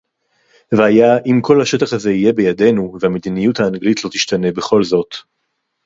והיה אם כל השטח הזה יהיה בידינו, והמדיניות האנגלית לא תשתנה בכל־זאת